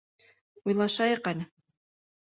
Уйлашайыҡ әле.